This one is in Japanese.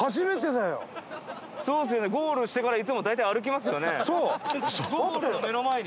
そうですよねゴールしてからいつも大体歩きますよね。